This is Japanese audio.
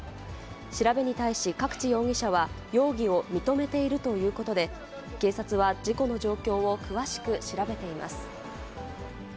調べに対し、角地容疑者は容疑を認めているということで、警察は事故の状況を詳しく調べています。